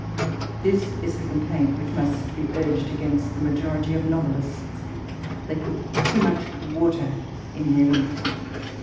This is the complaint which must be urged against the majority of novelists : thq^ put too much water in their ink.